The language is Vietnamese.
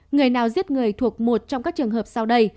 người nào giết người thuộc một trong các trường hợp sau đây